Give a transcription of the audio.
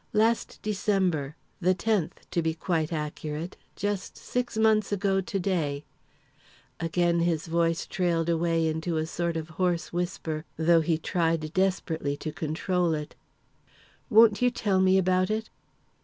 "Last December the tenth, to be quite accurate just six months ago to day " Again his voice trailed away into a sort of hoarse whisper, though he tried desperately to control it. "Won't you tell me about it?"